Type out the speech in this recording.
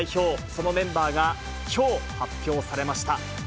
そのメンバーがきょう発表されました。